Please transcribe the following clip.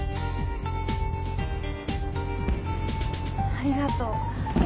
ありがとう。